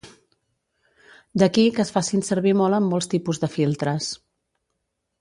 D'aquí que es facin servir molt en molts tipus de filtres.